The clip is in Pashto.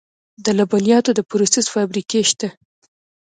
د لبنیاتو د پروسس فابریکې شته